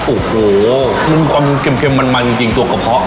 โอ้โหมันความเค็มเค็มมันมันจริงจริงตัวกระเพาะ